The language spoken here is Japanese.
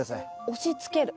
押しつける。